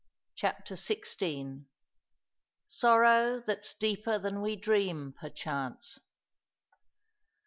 CHAPTER XVL "sorrow that's deeper than we dream, perchance."